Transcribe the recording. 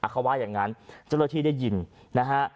เขาว่าอย่างนั้นเจ้าหน้าที่ได้ยินนะฮะ